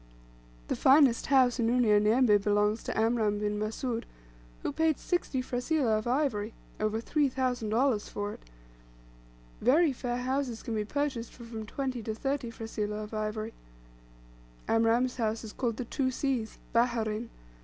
The finest house in Unyanyembe belongs to Amram bin Mussoud, who paid sixty frasilah of ivory over $3,000 for it. Very fair houses can be purchased for from twenty to thirty frasilah of ivory. Amram's house is called the "Two Seas" "Baherein."